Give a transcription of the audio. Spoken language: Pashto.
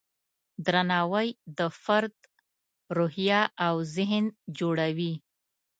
درناوی د فرد روحیه او ذهن جوړوي.